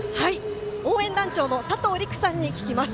応援団長のさとうりくさんに聞きます。